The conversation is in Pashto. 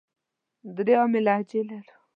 درې عامې لهجې لرو.